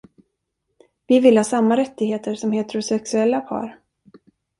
Vi vill ha samma rättigheter som heterosexuella par.